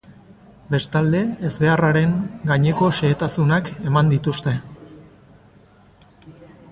Bestalde, ezbeharraren gaineko xehetasunak eman dituzte.